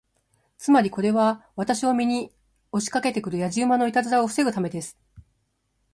つまり、これは私を見に押しかけて来るやじ馬のいたずらを防ぐためです。